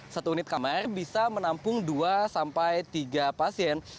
satu unit kamar bisa menampung dua sampai tiga pasien